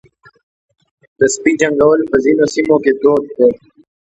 د سپي جنګول په ځینو سیمو کې دود دی.